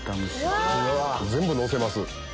全部のせます。